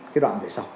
cái đoạn về sau